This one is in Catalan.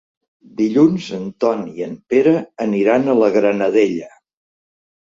Dilluns en Ton i en Pere aniran a la Granadella.